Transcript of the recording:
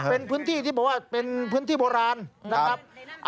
เป็นพื้นที่ที่บอกว่าเป็นพื้นที่โบราณนะครับ